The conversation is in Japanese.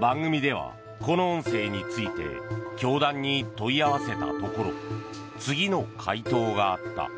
番組では、この音声について教団に問い合わせたところ次の回答があった。